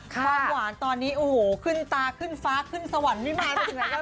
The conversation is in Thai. ความหวานตอนนี้ขึ้นตาขึ้นฟ้าขึ้นสวรรค์ไม่มาไปที่ไหนกัน